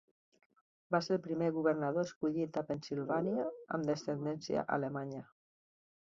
Va ser el primer governador escollit a Pennsylvania amb descendència alemanya.